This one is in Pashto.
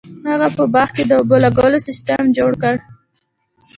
هغه په باغ کې د اوبو لګولو سیستم جوړ کړ.